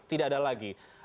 tidak ada lagi